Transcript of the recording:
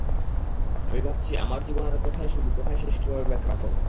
আমি ভাবছি, আমার জীবনের কোথায় শুরু, কোথায় শেষ কীভাবে ব্যাখ্যা করব।